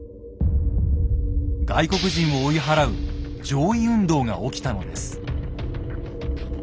外国人を追い払う「攘夷運動」が起きたのです。